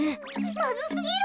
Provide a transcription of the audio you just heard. まずすぎる。